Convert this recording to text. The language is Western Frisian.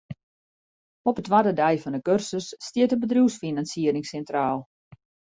Op 'e twadde dei fan 'e kursus stiet de bedriuwsfinansiering sintraal.